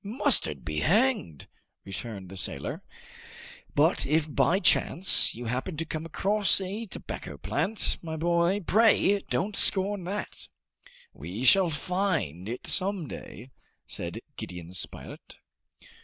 "Mustard be hanged!" returned the sailor; "but if by chance you happen to come across a tobacco plant, my boy, pray don't scorn that!" "We shall find it some day!" said Gideon Spilett.